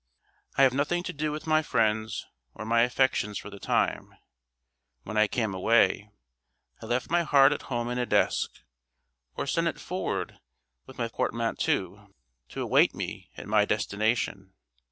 I have nothing to do with my friends or my affections for the time; when I came away, I left my heart at home in a desk, or sent it forward with my portmanteau to await me at my destination.